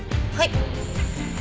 はい。